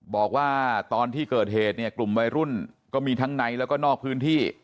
บอกว่าตอนที่เกิดเหตุเนี่ยกลุ่มวัยรุ่นก็มีทั้งในแล้วก็นอกพื้นที่